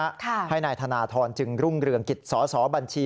ให้นายธนทรจึงรุ่งเรืองกิจสอสอบัญชี